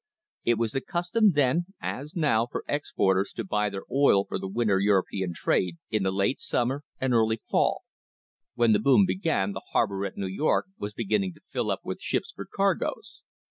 It was the custom then, as now, for export ers to buy their oil for the winter European trade in the late summer and early fall. When the boom began the harbour at New York was beginning to fill up with ships for cargoes.